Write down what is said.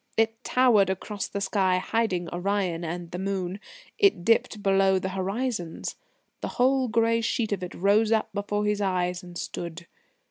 It towered across the sky, hiding Orion and the moon; it dipped below the horizons. The whole grey sheet of it rose up before his eyes and stood.